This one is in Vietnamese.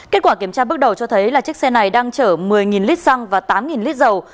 kết quả kiểm tra bước đầu cho thấy là chiếc xe này đang chở một mươi lít xăng và tám lít dầu